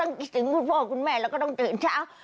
ว่าฟิกถึงปลูกพ่อกับคุณแม่แล้วก็ต้องตื่นเช้า